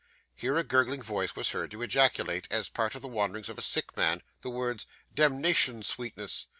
Here a gurgling voice was heard to ejaculate, as part of the wanderings of a sick man, the words 'Demnition sweetness!